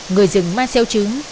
người rừng ma xeo trứng